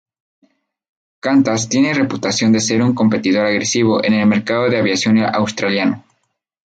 Qantas tiene reputación de ser un competidor agresivo en el mercado de aviación australiano.